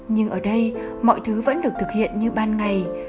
nhưng ở đây mọi thứ vẫn được thực hiện như ban ngày